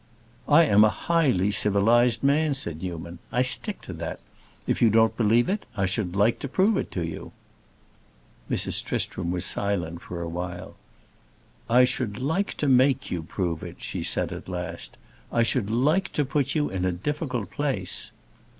"I am a highly civilized man," said Newman. "I stick to that. If you don't believe it, I should like to prove it to you." Mrs. Tristram was silent a while. "I should like to make you prove it," she said, at last. "I should like to put you in a difficult place."